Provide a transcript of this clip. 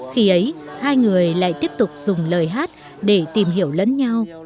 khi ấy hai người lại tiếp tục dùng lời hát để tìm hiểu lẫn nhau